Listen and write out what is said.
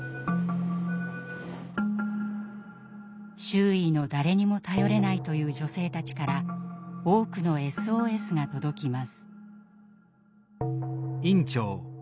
周囲の誰にも頼れないという女性たちから多くのＳＯＳが届きます。